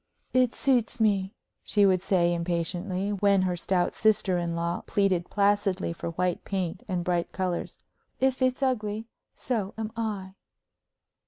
"It suits me," she would say, impatiently, when her stout sister in law pleaded placidly for white paint and bright colors. "If it's ugly, so am I."